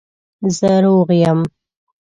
زه روغ یم